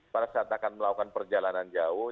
para peserta akan melakukan perjalanan jauh